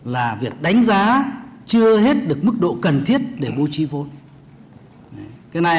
là việc đánh giá chưa hết được mức độ cần thiết để bố trí vốn